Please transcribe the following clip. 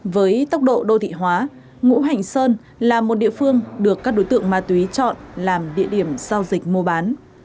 với tốc độ đô thị hóa ngũ hành sơn là một địa phương được các đối tượng ma túy chọn làm địa điểm giao dịch mua bán